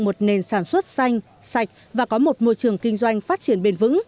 một nền sản xuất xanh sạch và có một môi trường kinh doanh phát triển bền vững